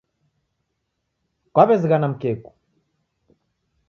Kwaw'ezighana mkeku